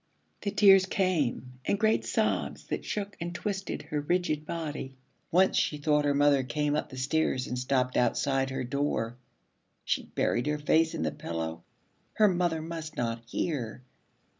The tears came, and great sobs that shook and twisted her rigid body. Once she thought her mother came up the stairs and stopped outside her door. She buried her face in the pillow. Her mother must not hear.